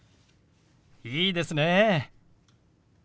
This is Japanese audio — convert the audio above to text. いいですね。